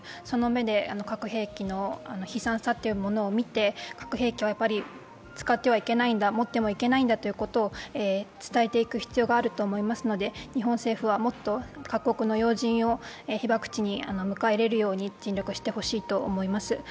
その目で核兵器の悲惨さというものを見て、核兵器は使ってはいけないんだ、持ってはいけないんだということを伝えていく必要があると思いますので日本政府はもっと各国の要人を被ばく地に迎え入れるように尽力してほしいと思います。